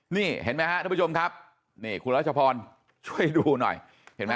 นี่เห็นไหมฮะทุกผู้ชมครับนี่คุณรัชพรช่วยดูหน่อยเห็นไหม